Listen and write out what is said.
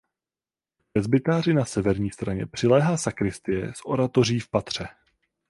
K presbytáři na severní straně přiléhá sakristie s oratoří v patře.